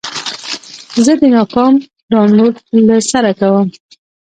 زه د ناکام ډاونلوډ له سره کوم.